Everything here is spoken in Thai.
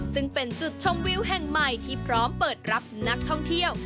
ซึ่งเป็นจุดชมวิวแห่งใหม่ที่พร้อมเปิดรับนักท่องเที่ยว